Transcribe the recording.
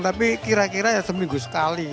tapi kira kira ya seminggu sekali